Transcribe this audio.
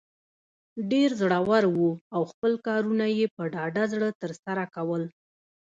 ډیر زړه ور وو او خپل کارونه یې په ډاډه زړه تر سره کول.